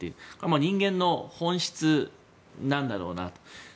人間の本質なんだろうなと。